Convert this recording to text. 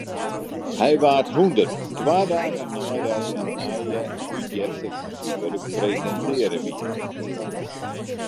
Hy waard hûndert, twa dagen neidat in nije útjefte fan syn wurk presintearre wie.